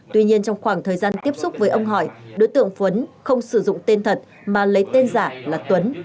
tuy nhiên trong khoảng thời gian tiếp xúc với ông hỏi đối tượng phấn không sử dụng tên thật mà lấy tên giả là tuấn